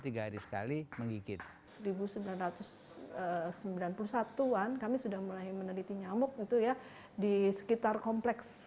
tiga hari sekali menggigit seribu sembilan ratus sembilan puluh satu an kami sudah mulai meneliti nyamuk itu ya di sekitar kompleks